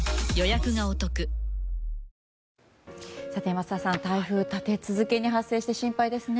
桝田さん、台風立て続けに発生して心配ですね。